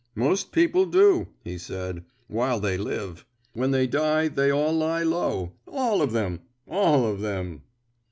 "Most people do," he said, "while they live. When they die they all lie low all of them, all of them!"